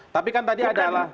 tapi kan tadi adalah